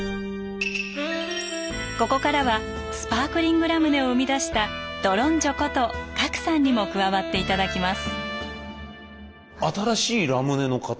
ここからはスパークリングラムネを生み出したドロンジョこと郭さんにも加わっていただきます。